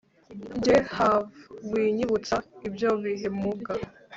Njye have winyibutsa ibyo bihe muga